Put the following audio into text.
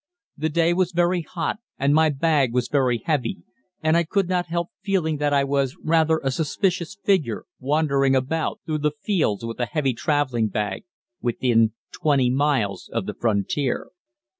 The day was very hot and my bag was very heavy, and I could not help feeling I was rather a suspicious figure wandering about through the fields with a heavy traveling bag within 20 miles of the frontier.